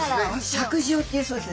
尺塩っていうそうです。